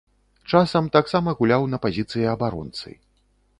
Часам таксама гуляў на пазіцыі абаронцы.